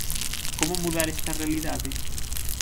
Como mudar esta realidade?